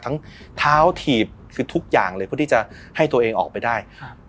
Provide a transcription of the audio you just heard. ทั้งเท้าถีบคือทุกอย่างเลยเพื่อที่จะให้ตัวเองออกไปได้ครับ